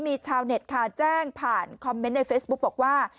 มีชาวเน็ตค่ะแจ้งผ่านคอมเมนต์ในเฟซบุ๊กบอกว่า